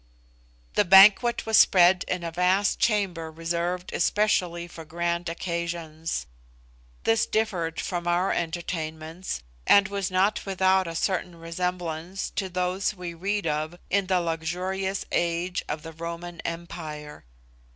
The banquet was spread in a vast chamber reserved especially for grand occasions. This differed from our entertainments, and was not without a certain resemblance to those we read of in the luxurious age of the Roman empire.